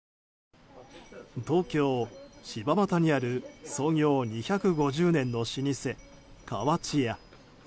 東京・柴又にある創業２５０年の老舗、川千家。